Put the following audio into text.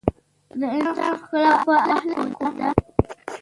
د انسان ښکلا په اخلاقو ده.